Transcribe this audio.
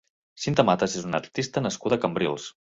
Cinta Mata és una artista nascuda a Cambrils.